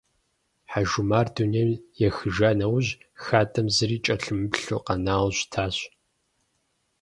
Хьэжумар дунейм ехыжа нэужь, хадэм зыри кӏэлъымыплъу къэнауэ щытащ.